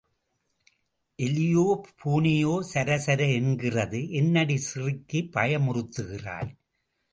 எலியோ, பூனையோ சர சர என்கிறது என்னடி சிறுக்கி பயமுறுத்துகிறாய்?